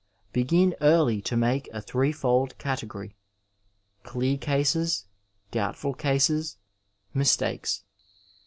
Begin early to make a threefold category— clear cases, doubtful cases, mistakes.